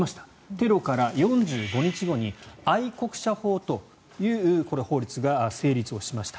テロから４５日後に愛国者法という法律が成立をしました。